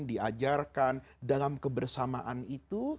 diajarkan dalam kebersamaan itu